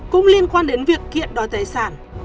cũng liên quan đến việc kiện đói tài sản